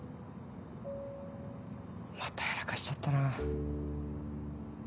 またやらかしちゃったなぁ。